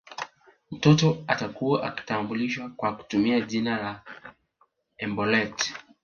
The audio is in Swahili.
Mtoto atakuwa akitambulishwa kwa kutumia jina la embolet